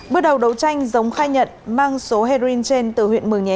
bước đầu đấu tranh giống khai nhận mang số heroin trên từ huyện mường nhé